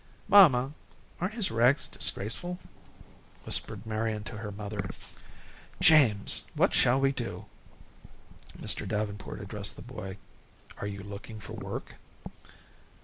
"Mamma, aren't his rags disgraceful?" whispered Marian to her mother. "James, what shall we do?" Mr. Davenport addressed the boy. "Are you looking for work?"